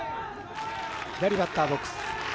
左バッターボックス。